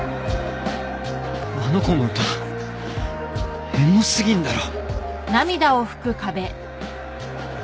あの子の歌エモすぎんだろ